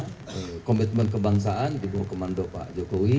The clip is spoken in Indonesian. kebersamaan komitmen kebangsaan di bawah orkestra komando pak jokowi